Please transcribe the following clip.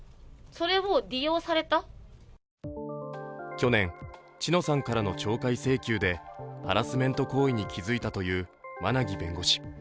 去年、知乃さんからの懲戒請求でハラスメント行為に気づいたという馬奈木弁護士。